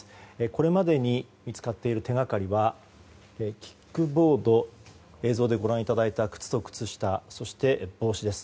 これまでに見つかっている手掛かりはキックボード映像でご覧いただいた靴と靴下そして帽子です。